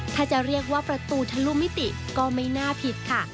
ถ้าจะเรียกว่าประตูทะลุมิติก็ไม่น่าผิดค่ะ